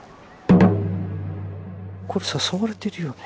これ誘われてるよね。